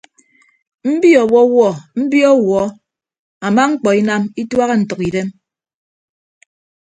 Mbi ọwọwuọ mbi ọwuọ ama mkpọ inam ituaha ntʌkidem.